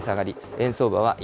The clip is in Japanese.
円相場は１